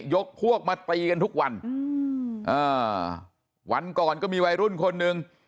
ยกพวกมาตีกันทุกวันอืมอ่าวันก่อนก็มีวัยรุ่นคนหนึ่ง